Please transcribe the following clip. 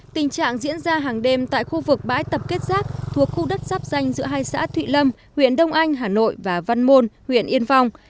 tình trạng diễn ra hàng đêm tại khu vực bãi tập kết rác thuộc khu đất giáp danh giữa hai xã thụy lâm huyện đông anh hà nội và văn môn huyện yên phong